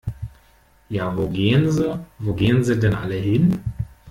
Ja wo gehn se, wo gehn se denn alle hin?